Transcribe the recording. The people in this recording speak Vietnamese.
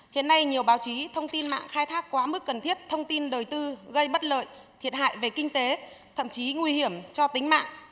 hiện nay nhiều báo chí thông tin mạng khai thác quá mức cần thiết thông tin đời tư gây bất lợi thiệt hại về kinh tế thậm chí nguy hiểm cho tính mạng